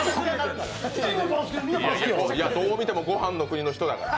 どうみてもごはんの国の人やから。